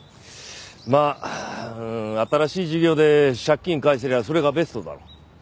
まあ新しい事業で借金返せりゃそれがベストだろう。